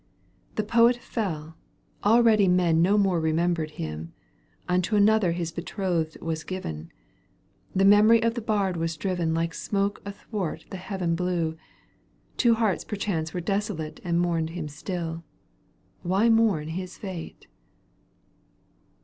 The poet fell ; already men b more remembered him ; unto Another his betrothed was given ; The memory of the bard was driven like smoke athwart the heaven blue ; Two hearts perchance were desolate And mourned him still. Why mourn his fate